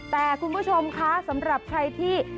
แต่คุณผู้ชมคะสำหรับใครที่